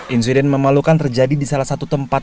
insiden memalukan terjadi di salah satu tempat